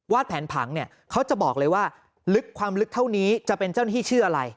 แผนผังเนี่ยเขาจะบอกเลยว่าลึกความลึกเท่านี้จะเป็นเจ้าหน้าที่ชื่ออะไร